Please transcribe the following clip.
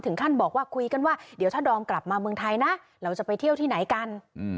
ท่านบอกว่าคุยกันว่าเดี๋ยวถ้าดอมกลับมาเมืองไทยนะเราจะไปเที่ยวที่ไหนกัน